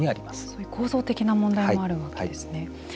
そういう構造的な問題もあるわけですね。